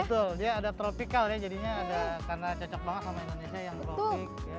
betul dia ada tropical ya jadinya ada karena cocok banget sama indonesia yang tropik